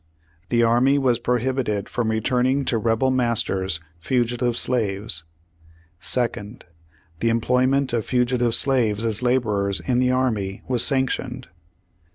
The army was prohibited from returning to rebel masters fugitive slaves. "Second. The emplojTnent of fugitive slaves as laborers in the army was sanctioned.